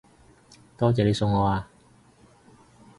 多謝你送我啊